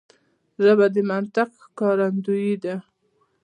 ژبه د منطق ښکارندوی ده